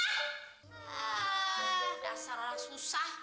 ah dasar orang susah